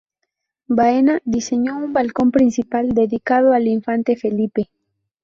Baena diseñó un balcón principal, dedicado al infante Felipe.